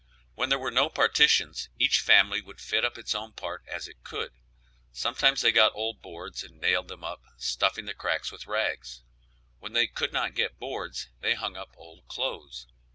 When there were no partitions each family would fit up its own part as it could; sometimes they got old boards and nailed them up, stuffing the cracks with rags; when they could not get boards they hung up old clothes.